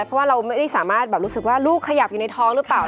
เพราะว่าเราไม่ได้สามารถแบบรู้สึกว่าลูกขยับอยู่ในท้องหรือเปล่า